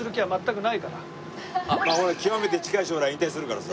極めて近い将来引退するからさ。